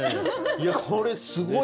いやこれすごい！